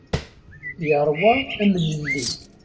Yeṛwa amlelli.